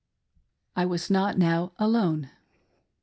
I was not now alone.